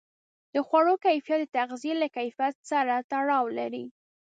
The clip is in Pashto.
د خوړو کیفیت د تغذیې له کیفیت سره تړاو لري.